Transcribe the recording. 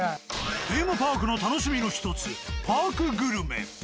テーマパークの楽しみの１つパークグルメ。